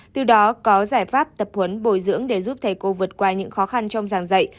từ đó có giải pháp tập huấn bồi dưỡng để giúp thầy cô vượt qua những khó khăn trong giảng dạy